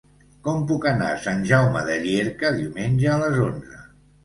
Com puc anar a Sant Jaume de Llierca diumenge a les onze?